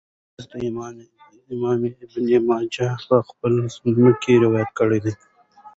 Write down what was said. دا حديث امام ابن ماجه په خپل سنن کي روايت کړی دی .